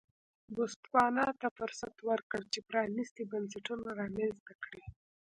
بوتسوانا ته فرصت ورکړ چې پرانیستي بنسټونه رامنځته کړي.